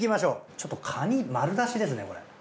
ちょっとカニ丸出しですねこれ。